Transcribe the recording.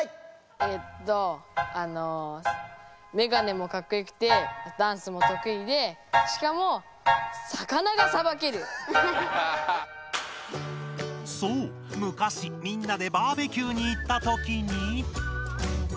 えっとあのメガネもかっこよくてダンスもとくいでしかもそうむかしみんなでバーベキューにいったときに。